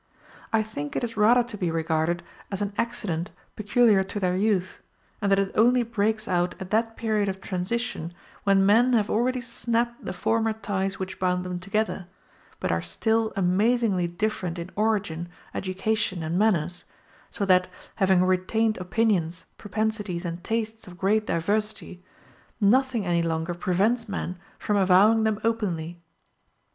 I think it is rather to be regarded as an accident peculiar to their youth, and that it only breaks out at that period of transition when men have already snapped the former ties which bound them together, but are still amazingly different in origin, education, and manners; so that, having retained opinions, propensities and tastes of great diversity, nothing any longer prevents men from avowing them openly.